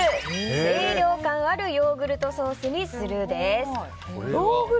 清涼感あるヨーグルトソースにするです。